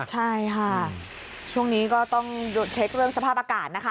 ใช่ค่ะช่วงนี้ก็ต้องเช็คเรื่องสภาพอากาศนะคะ